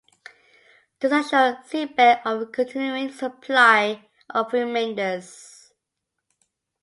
This assured Seebeck of a continuing supply of remainders.